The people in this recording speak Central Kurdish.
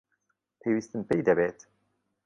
پێویستم پێی دەبێت.